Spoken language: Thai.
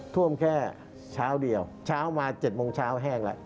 ท่วมแค่เช้าเดียวเช้ามา๗โมงเช้าแห้งแล้ว